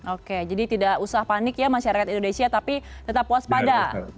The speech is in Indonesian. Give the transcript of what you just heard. oke jadi tidak usah panik ya masyarakat indonesia tapi tetap waspada